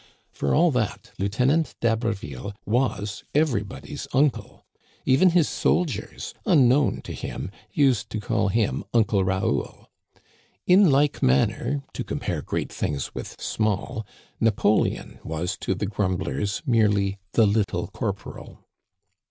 For all that. Lieuten ant d'Haberville was everybody's uncle. Even his soldiers, unknown to him, used to call him Uncle Raoul. In like manner, to compare great things with small, Na poleon was to the grumblers merely "the little cor poral."